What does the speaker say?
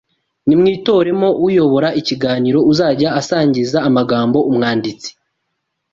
Nimwitoremo uyobora ikiganiro uzajya asangiza amagambo umwanditsi